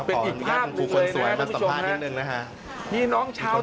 เป็นอีกภาพหนึ่งเลยนะครับ